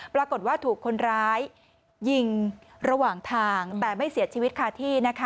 ปรากฏว่าถูกคนร้ายยิงระหว่างทางแต่ไม่เสียชีวิตคาที่นะคะ